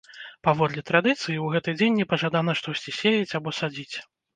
Паводле традыцыі, у гэты дзень непажадана штосьці сеяць або садзіць.